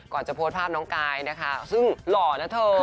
ก่อนจะโพสภาพน้องกายนะคะซึ่งหล่อนะเถอะ